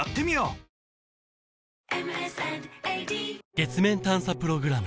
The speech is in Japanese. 月面探査プログラム